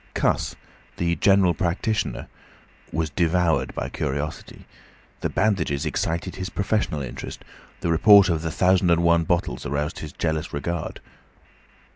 Cuss, the general practitioner, was devoured by curiosity. The bandages excited his professional interest, the report of the thousand and one bottles aroused his jealous regard.